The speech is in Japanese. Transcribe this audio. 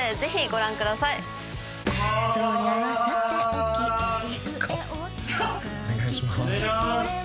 お願いします。